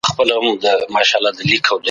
یوازې څو تارونه د یوه دیګ لپاره بس دي.